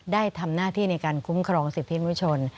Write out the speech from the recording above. ได้ทำหน้าที่ในการคุ้มครองสิทธิมนุชน